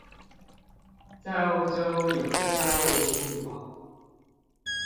在歐洲有三位君王